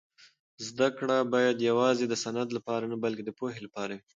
زده کړه باید یوازې د سند لپاره نه بلکې د پوهې لپاره وي.